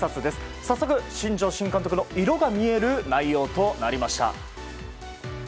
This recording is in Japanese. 早速、新庄新監督の色が見える内容となりました。